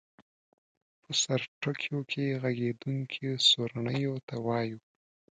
په سرټکیو کې غږېدونکیو سورڼیو ته وایو.